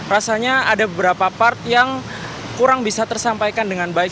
rasanya ada beberapa part yang kurang bisa tersampaikan dengan baik